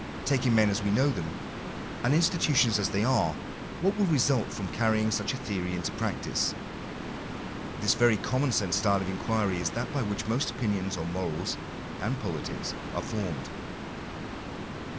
Taking ' men as we know them, and institutions as they are, what will 1 v result from carrying such a theory into practice ? This very 1 common sense style of inquiry is that by which most opinions on morals and politics are formed.